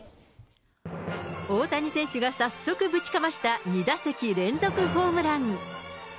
大谷選手が早速ぶちかました２打席連続ホームラン。